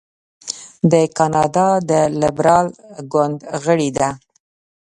د کاناډا د لیبرال ګوند غړې ده.